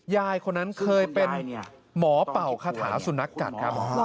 ยายคนนั้นเคยเป็นหมอเป่าคาถาสุนัขกัดครับ